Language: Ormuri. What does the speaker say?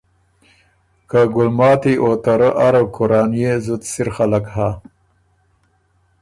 که ګلماتی او ته رۀ اره کورانيې زُت سِر خلق هۀ۔